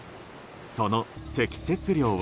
その積雪量は。